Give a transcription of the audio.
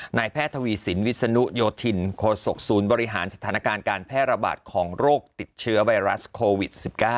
นายแพทย์ทวีสินวิศนุโยธินโคศกศูนย์บริหารสถานการณ์การแพร่ระบาดของโรคติดเชื้อไวรัสโควิด๑๙